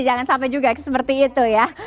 jangan sampai juga seperti itu ya